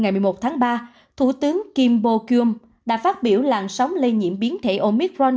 ngày một mươi một tháng ba thủ tướng kim bo kyum đã phát biểu làn sóng lây nhiễm biến thể omicron